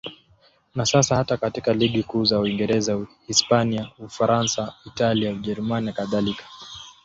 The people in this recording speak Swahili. Na sasa hata katika ligi kuu za Uingereza, Hispania, Ufaransa, Italia, Ujerumani nakadhalika.